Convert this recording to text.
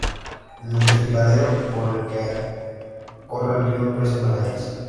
En el desfiladero por el que corre el río, crecen las hayas.